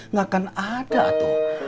nggak akan ada tuh